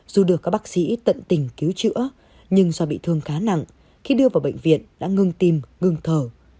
dù được các bác sĩ tận tình cứu chữa nhưng do bị thương khá nặng khi đưa vào bệnh viện đã ngưng tim ngưng thở